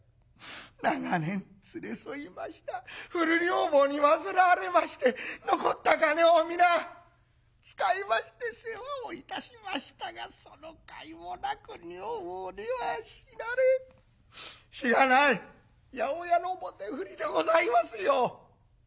長年連れ添いました古女房に患われまして残った金を皆使いまして世話をいたしましたがそのかいもなく女房には死なれしがない八百屋の棒手振りでございますよ。